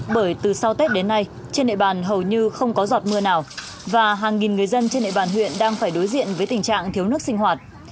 bởi từ sau tết đến nay trên địa bàn hầu như không có giọt mưa nào và hàng nghìn người dân trên địa bàn huyện đang phải đối diện với tình trạng thiếu nước sinh hoạt